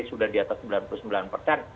sudah di atas sembilan puluh sembilan persen